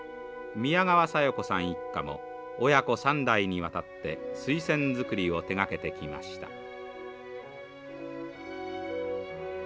ミヤガワサヨコさん一家も親子３代にわたってスイセン作りを手がけてきました。